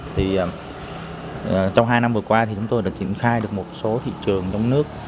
trong hai năm vừa qua chúng tôi đã kiểm tra được một số thị trường trong nước